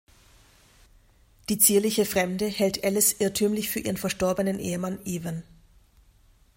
Die zierliche Fremde hält Ellis irrtümlich für ihren verstorbenen Ehemann Evan.